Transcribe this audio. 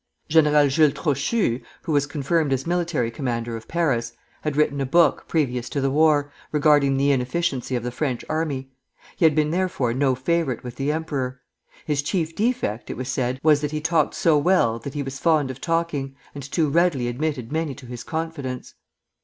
General Jules Trochu, who was confirmed as military commander of Paris, had written a book, previous to the war, regarding the inefficiency of the French army; he had been therefore no favorite with the emperor. His chief defect, it was said, was that he talked so well that he was fond of talking, and too readily admitted many to his confidence.